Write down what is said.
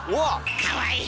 かわいい！